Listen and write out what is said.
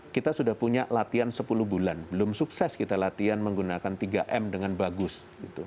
kita sudah punya latihan sepuluh bulan belum sukses kita latihan menggunakan tiga m dengan bagus